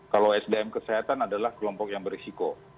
kalau sdm kesehatan adalah kelompok yang berisiko